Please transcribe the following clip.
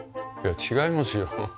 いや違いますよ。